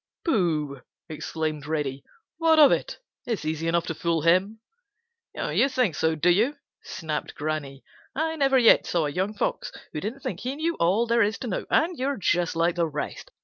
"Pooh!" exclaimed Reddy. "What of it? It's easy enough to fool him." "You think so, do you?" snapped Granny. "I never yet saw a young Fox who didn't think he knew all there is to know, and you're just like the rest.